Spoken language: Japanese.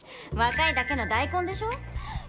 若いだけの大根でしょ。